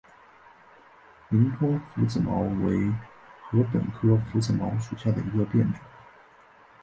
林中拂子茅为禾本科拂子茅属下的一个变种。